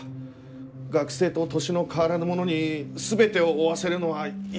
学生と年の変わらぬ者に全てを負わせるのはいささか。